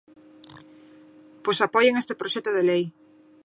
Pois apoien este proxecto de lei.